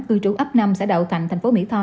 cư trú ấp năm sẽ đậu thành thành phố mỹ tho